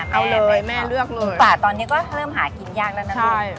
เอาเลยแม่เลือกหมูป่าตอนนี้ก็เริ่มหากินยากแล้วนะพี่